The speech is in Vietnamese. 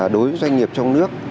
đối với doanh nghiệp trong nước